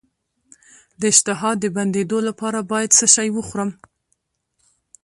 د اشتها د بندیدو لپاره باید څه شی وخورم؟